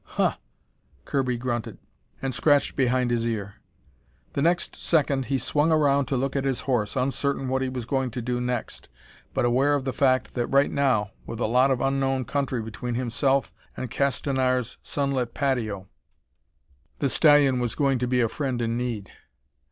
"Huh," Kirby grunted, and scratched behind his ear. The next second he swung around to look at his horse, uncertain what he was going to do next, but aware of the fact that right now, with a lot of unknown country between himself and Castanar's sunlit patio, the stallion was going to be a friend in need.